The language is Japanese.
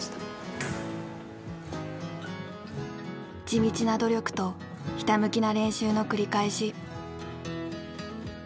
「地道な努力」と「ひたむきな練習」の繰り返し。